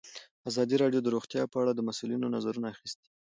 ازادي راډیو د روغتیا په اړه د مسؤلینو نظرونه اخیستي.